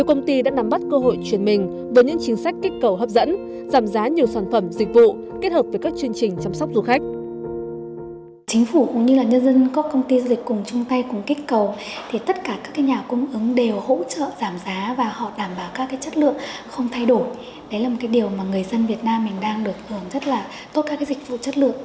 đấy là một điều mà người dân việt nam mình đang được hưởng rất là tốt các dịch vụ chất lượng